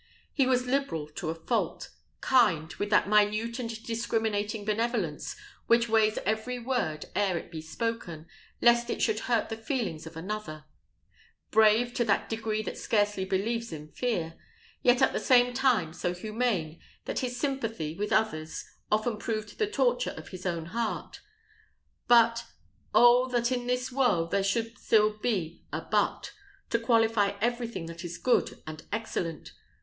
He was liberal to a fault; kind, with that minute and discriminating benevolence which weighs every word ere it be spoken, lest it should hurt the feelings of another; brave, to that degree that scarcely believes in fear, yet at the same time so humane, that his sympathy with others often proved the torture of his own heart; but Oh! that in this world there should still be a but, to qualify everything that is good and excellent!